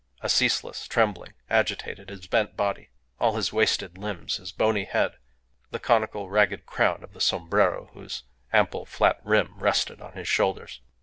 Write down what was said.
A ceaseless trembling agitated his bent body, all his wasted limbs, his bony head, the conical, ragged crown of the sombrero, whose ample flat rim rested on his shoulders.